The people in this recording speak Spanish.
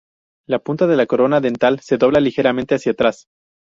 La punta de la corona dental se dobla ligeramente hacia atrás.